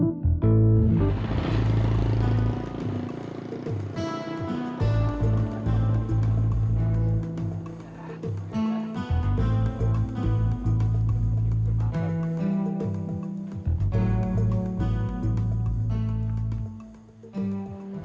eh bunga bunga ini